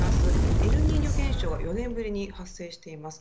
エルニーニョ現象が４年ぶりに発生しています。